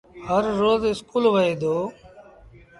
هر روز اسڪُول وهي دو